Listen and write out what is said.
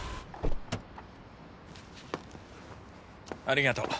ありがとう。